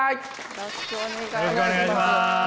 よろしくお願いします。